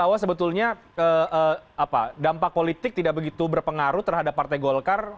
jadi maksudnya dampak politik tidak begitu berpengaruh terhadap partai golkar